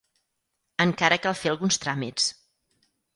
Encara cal fer alguns tràmits.